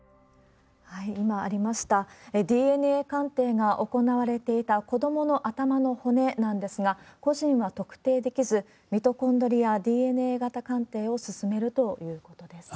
今ありました、ＤＮＡ鑑定が行われていた子どもの頭の骨なんですが、個人は特定できず、ミトコンドリアＤＮＡ型鑑定を進めるということです。